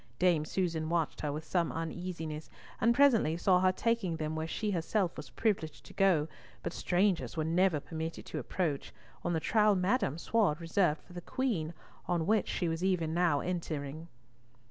Dame Susan watched her with some uneasiness, and presently saw her taking them where she herself was privileged to go, but strangers were never permitted to approach, on the Trowle Madame sward reserved for the Queen, on which she was even now entering.